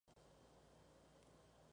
Se recuerda a la nación vilela.